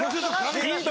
ヒント